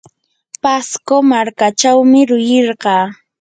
pasco markachawmi yurirqaa.